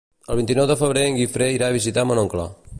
El vint-i-nou de febrer en Guifré irà a visitar mon oncle.